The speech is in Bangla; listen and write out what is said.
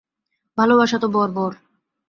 ভালোবাসা তো বর্বর!